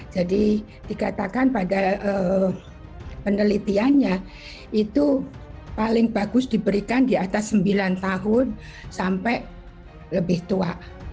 jadi dikatakan pada penelitiannya itu paling bagus diberikan di atas sembilan tahun sampai lebih tua